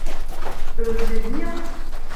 Öldü dedim ya…